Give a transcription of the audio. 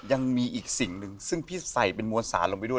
ยังมีอีกสิ่งหนึ่งซึ่งพี่ใส่เป็นมวลสารลงไปด้วย